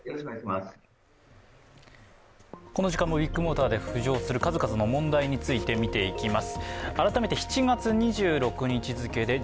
この時間もビッグモーターで浮上する数々の問題について見ていきます。